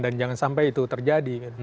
dan jangan sampai itu terjadi